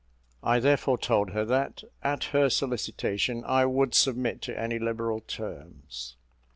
I therefore told her that, at her solicitation, I would submit to any liberal terms.